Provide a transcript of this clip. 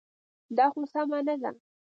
دا خو سمه نه ده.